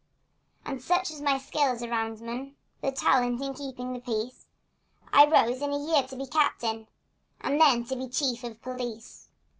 And such was my skill as a roundsman, And talent in keeping the peace, That I rose in a year to be Captain, And then to be Chief of Police!